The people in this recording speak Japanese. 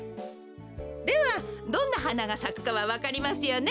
ではどんなはながさくかはわかりますよね？